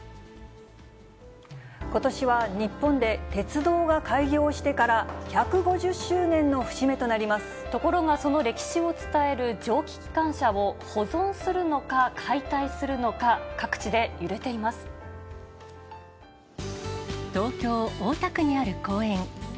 ことしは日本で鉄道が開業してから１５０周年の節目となりまところが、その歴史を伝える蒸気機関車を、保存するのか、解体するのか、各地で揺れていま東京・大田区にある公園。